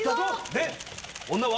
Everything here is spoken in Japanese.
で女は？